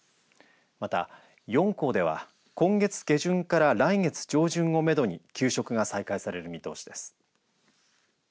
また、４校では今月下旬から来月上旬をめどに給食が再開される見通しです。